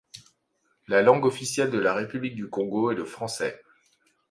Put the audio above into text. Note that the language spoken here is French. La langue officielle de la république du Congo est le français.